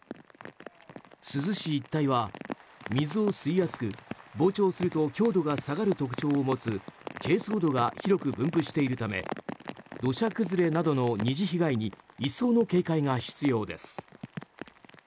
珠洲市一帯は水を吸いやすく膨張すると強度が下がる特徴を持つ珪藻土が広く分布しているため土砂崩れなどの二次被害に一層の警戒が必要です。